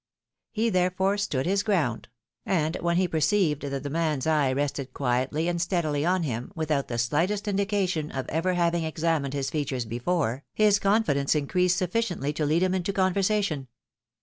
He therefore stood his ground; and when he perceived that the man's eye rested quietly and steadily on him, without the slightest indication of ever having examined his features before, his confidence increased sulBoiently to lead him into conversation.